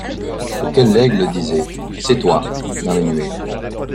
Auquel l'aigle disait : c'est toi ! dans les nuées ;